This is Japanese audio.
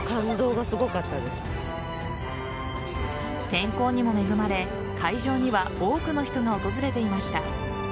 天候にも恵まれ、会場には多くの人が訪れていました。